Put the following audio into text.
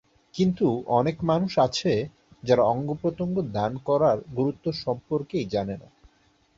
কিন্তু অনেক মানুষ আছে, যারা অঙ্গপ্রত্যঙ্গ দান করার গুরুত্ব সম্পর্কেই জানে না।